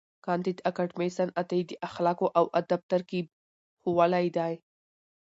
کانديد اکاډميسن عطایي د اخلاقو او ادب ترکیب ښوولی دی.